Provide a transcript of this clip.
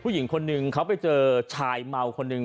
ผู้หญิงคนหนึ่งเขาไปเจอชายเมาคนหนึ่ง